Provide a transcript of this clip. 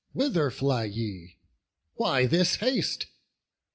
whither fly ye? why this haste?